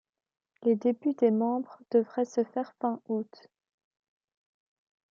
Les débuts des membres devrait se faire fin août.